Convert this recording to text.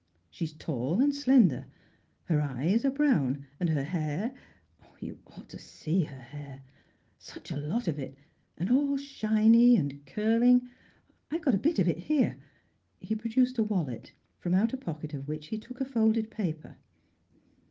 She's tall and slender. Her eyes are brown and her hair — You ought to see her hair. Such a lot of it —■ and all shiny and curling. I've got a bit of it here." He produced a wallet, from out a pocket of which he took a folded paper.